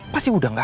pasti udah gak ada